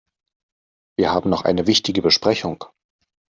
Wir haben noch eine wichtige Besprechung.